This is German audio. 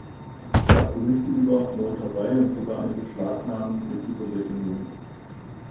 Es gab Gerüchte über Meuterei und sogar eine Beschlagnahmung durch die Sowjetunion.